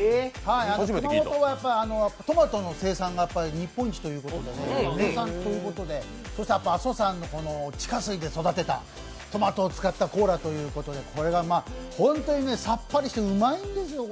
熊本はトマトの生産が日本一ということで、名産ということで阿蘇山の地下水で育てたトマトを使ったコーラということでこれが本当にさっぱりしてうまいんですよ。